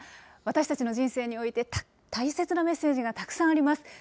私たちの人生において大切なメッセージがたくさんあります。